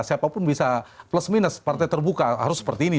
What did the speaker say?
siapapun bisa plus minus partai terbuka harus seperti ini